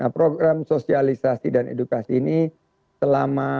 program sosialisasi dan edukasi ini selama satu tahun di dua ribu dua puluh tiga